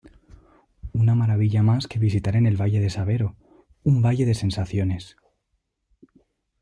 Una maravilla más que visitar en el Valle de Sabero, "Un Valle de Sensaciones".